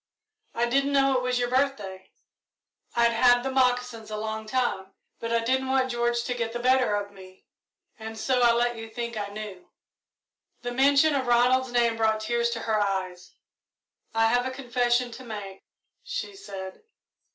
I didn't know it was your birthday I'd had the moccasins a long time, but I didn't want George to get the better of me, and so I let you think I knew." The mention of Ronald's name brought tears to her eyes. "I have a confession to make," she said.